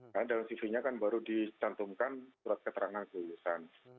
dan dalam cv nya kan baru dicantumkan surat keterangan lulusan